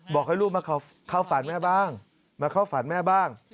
บอกให้ลูกมาเข้าฝันแม่บ้างมาเข้าฝันแม่บ้าง